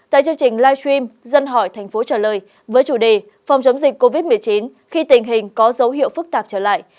tại chương trình live stream dân hỏi thành phố trả lời với chủ đề phòng chống dịch covid một mươi chín khi tình hình có dấu hiệu phức tạp trở lại